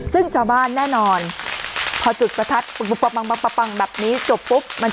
ซึ่งชาวบ้านแน่นอนพอจุดประทัดปังแบบนี้จบปุ๊บมัน